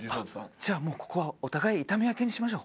じゃあもうここはお互い痛み分けにしましょう。